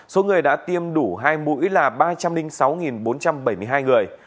số người đã tiêm đủ hai mũi là ba trăm linh sáu bốn trăm bảy mươi hai người